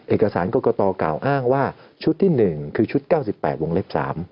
เอกสารกรกตกล่าวอ้างว่าชุดที่๑คือชุด๙๘วงเล็บ๓